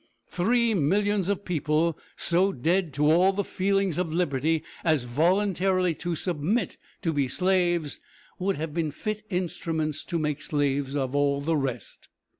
Three millions of people so dead to all the feelings of liberty as voluntarily to submit to be slaves, would have been fit instruments to make slaves of all the rest."